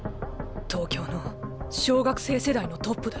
東京の小学生世代のトップだ。